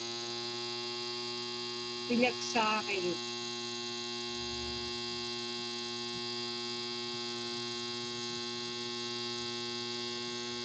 Piḷaksaaġirut.